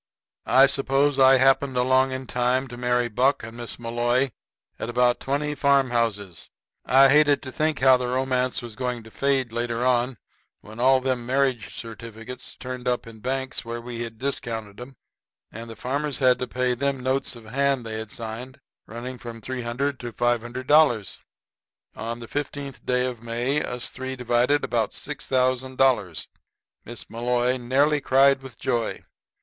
] I suppose I happened along in time to marry Buck and Miss Malloy at about twenty farm houses. I hated to think how the romance was going to fade later on when all them marriage certificates turned up in banks where we'd discounted 'em, and the farmers had to pay them notes of hand they'd signed, running from $300 to $500. On the 15th day of May us three divided about $6,000. Miss Malloy nearly cried with joy.